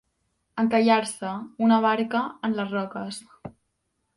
Encallar-se, una barca, en les roques.